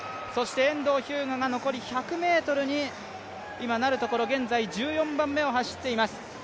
遠藤日向が残り１００ｍになるところ現在１４番目を走っています。